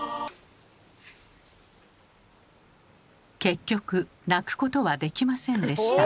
結局泣くことはできませんでした。